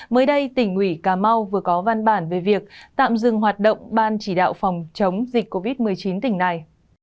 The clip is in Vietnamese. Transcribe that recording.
mới đây tỉnh ủy cà mau vừa có văn bản về việc tạm dừng hoạt động ban chỉ đạo phòng chống dịch covid một mươi chín tỉnh này